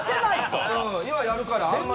今やるから。